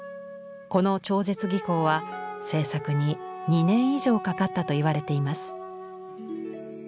この超絶技巧は制作に２年以上かかったといわれています。